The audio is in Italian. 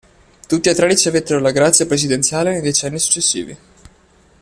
Tutti e tre ricevettero la grazia presidenziale nei decenni successivi.